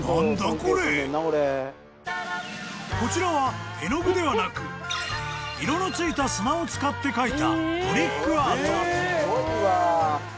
［こちらは絵の具ではなく色の付いた砂を使って描いたトリックアート］